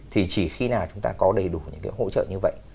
thì chỉ khi nào chúng ta có đầy đủ những cái hỗ trợ như vậy